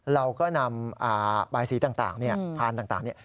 เราก็นำบายสีต่างพานต่างเนี่ย